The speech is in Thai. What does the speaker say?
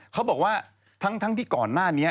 เขาบอกว่าทั้งที่ก่อนหน้านี้